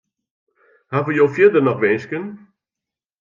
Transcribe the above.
Hawwe jo fierder noch winsken?